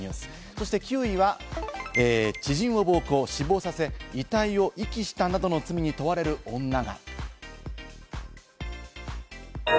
そして９位は知人を暴行、死亡させ、遺体を遺棄したなどの罪に問われる女が。